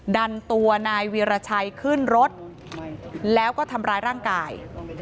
ดันตัวนายวีรชัยขึ้นรถแล้วก็ทำร้ายร่างกาย